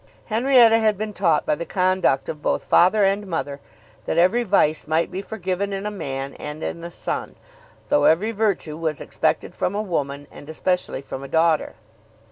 Henrietta had been taught by the conduct of both father and mother that every vice might be forgiven in a man and in a son, though every virtue was expected from a woman, and especially from a daughter.